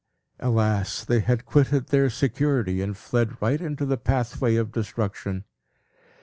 Alas! they had quitted their security, and fled right into the pathway of destruction.